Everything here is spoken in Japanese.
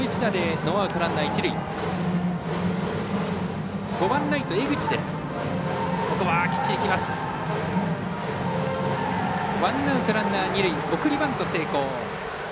ワンアウト、ランナー、二塁送りバント成功。